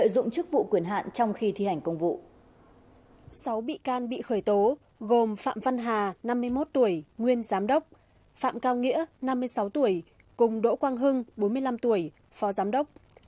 đỗ quang hưng bốn mươi năm tuổi phó giám đốc